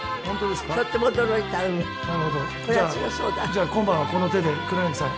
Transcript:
じゃあ今晩はこの手で黒柳さん